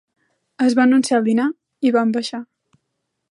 Es va anunciar el dinar, i vam baixar.